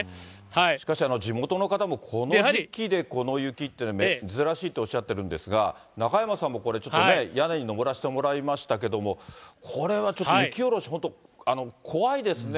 しかし、地元の方もこの時期でこの雪っていうのは珍しいっておっしゃってるんですが、中山さんもこれ、ちょっとね、屋根に上らせてもらいましたけど、これはちょっと雪下ろし、本当、怖いですね。